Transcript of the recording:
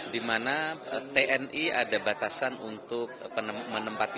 di mana tni ada batasan untuk menempati